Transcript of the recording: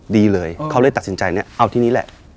ดีเลยเขาเลยตัดสินใจเนี่ยเอาที่นี้แหละ